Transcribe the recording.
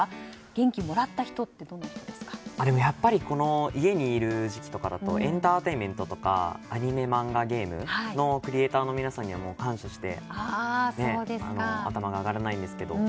元気もらった人ってやっぱり家にいる時期とかだとエンターテインメントとかアニメ、漫画、ゲームのクリエーターの皆さんには感謝して頭が上がらないんですけども。